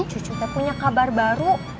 cucu tuh punya kabar baru